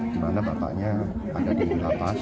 dimana bapaknya ada di lapas